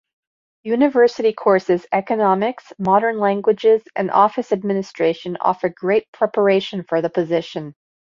University courses economics, modern languages, and office administration offer great preparation for the position.